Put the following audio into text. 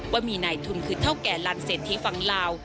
ว่ามีนายทุนคือเท่าแก่ลันเศรษฐีฝั่งลาว